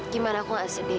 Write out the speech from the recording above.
gimana aku gak sedih